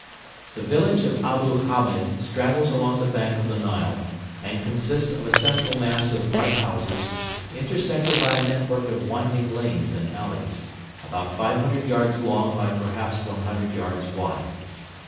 The village of Abu Hamed straggles along the bank of the Nile, and consists of a central mass of mud houses, intersected by a network of winding lanes and alleys, about 500 yards long by perhaps 100 yards wide.